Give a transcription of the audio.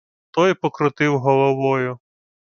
Той покрутив головою.